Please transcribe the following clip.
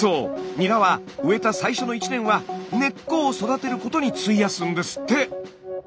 ニラは植えた最初の１年は根っこを育てることに費やすんですって。